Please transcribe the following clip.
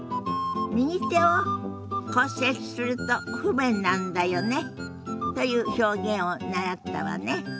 「右手を骨折すると不便なんだよね」という表現を習ったわね。